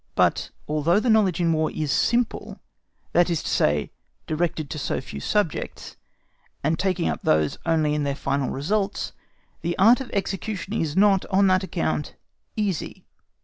But although the knowledge in War is simple, that is to say directed to so few subjects, and taking up those only in their final results, the art of execution is not, on that account, easy.